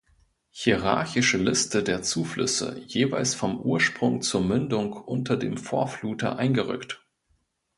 Hierarchische Liste der Zuflüsse, jeweils vom Ursprung zur Mündung unter dem Vorfluter eingerückt.